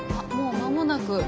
間もなく？